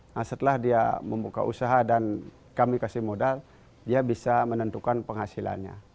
nah setelah dia membuka usaha dan kami kasih modal dia bisa menentukan penghasilannya